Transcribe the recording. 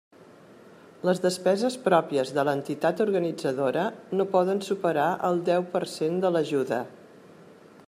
Les despeses pròpies de l'entitat organitzadora no poden superar el deu per cent de l'ajuda.